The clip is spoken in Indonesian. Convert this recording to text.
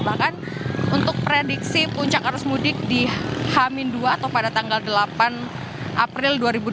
bahkan untuk prediksi puncak arus mudik di h dua atau pada tanggal delapan april dua ribu dua puluh